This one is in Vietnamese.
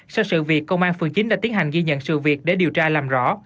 sau sự việc công an phường chín đã tiến hành ghi nhận sự việc để điều tra làm rõ